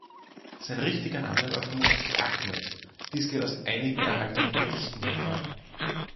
Sein richtiger Name war vermutlich "Ahmet", dies geht aus einigen erhaltenen Gedichten hervor.